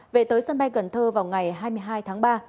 về tới sân bay cần thơ vào ngày hai mươi hai tháng ba